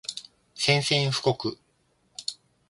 宣戦布告